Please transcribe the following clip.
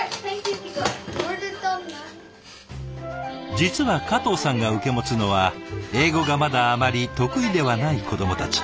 実は加藤さんが受け持つのは英語がまだあまり得意ではない子どもたち。